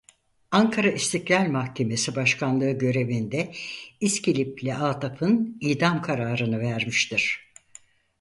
Ankara İstiklâl Mahkemesi başkanlığı görevinde İskilipli Atıf'ın idam kararını vermiştir.